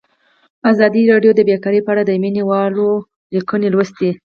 ازادي راډیو د بیکاري په اړه د مینه والو لیکونه لوستي.